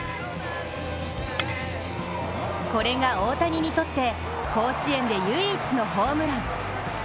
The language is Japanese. これが大谷にとって甲子園で唯一のホームラン。